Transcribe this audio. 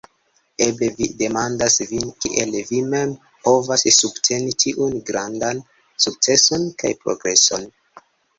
Eble vi demandas vin, kiel vi mem povas subteni tiun grandan sukceson kaj progreson.